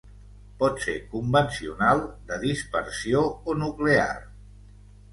Pot ser convencional, de dispersió o nuclear.